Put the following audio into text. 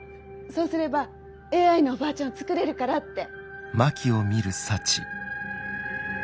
そうすればＡＩのおばあちゃんを創れるからって。